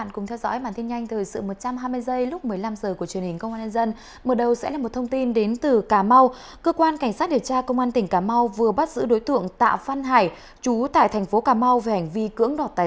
cảm ơn các bạn đã theo dõi